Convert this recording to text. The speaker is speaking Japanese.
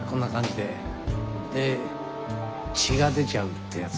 で血が出ちゃうってやつ。